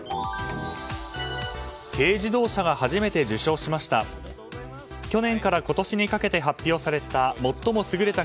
軽自動車が初めて受賞しました。